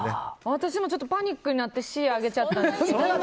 私もちょっとパニックになってＣ上げちゃった。